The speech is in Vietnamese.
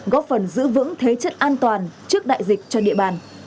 góp phần giữ vững thế trận an toàn trước đại dịch cho địa bàn